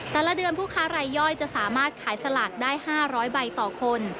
แต่ละเดือนผู้ค้ารายย่อยจะสามารถขายสลากได้๕๐๐ใบต่อคน